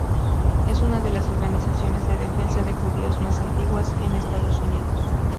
Es una de las organizaciones de defensa de judíos más antiguas de Estados Unidos.